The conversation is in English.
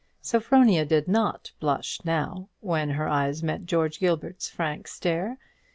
Sophronia did not blush now when her eyes met George Gilbert's frank stare.